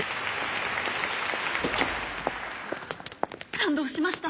感動しました。